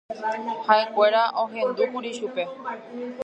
Ha'ekuéra ohendúkuri chupe.